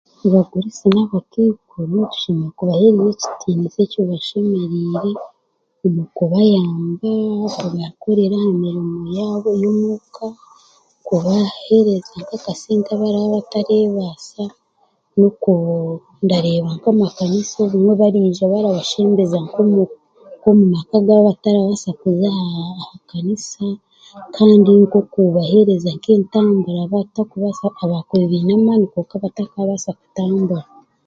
Abagurusi n'abakaikuru tushemerire kubaheereza ekitiinisa ekibashemereire omu kubayamba, kubabakorera aha miriimu yaabo y'omuuka, kubaheereza nka akasente abarabatareebaasa, ndareeba nk'amakanisa obumwe baraija barabashembeza nk'omu maka gabo abatarabasa kuza ahakanisa kandi nk'okubaheereza nk'entambura abatakuba abakubiire beine amaani konka batakabasa kutambura.